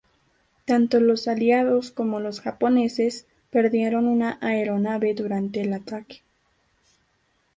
Tanto los Aliados como los japoneses perdieron una aeronave durante el ataque.